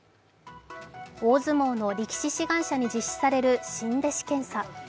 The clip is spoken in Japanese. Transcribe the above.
大相撲の力士志願者に実施される新弟子検査。